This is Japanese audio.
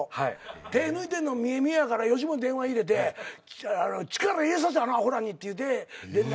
手ぇ抜いてんの見え見えやから吉本に電話入れて力入れさせあのアホらにって言うて連絡。